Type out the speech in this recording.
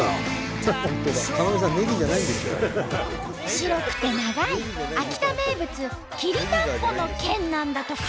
白くて長い秋田名物きりたんぽの剣なんだとか。